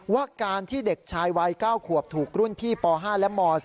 ว่าการที่เด็กชายวัย๙ขวบถูกรุ่นพี่ป๕และม๔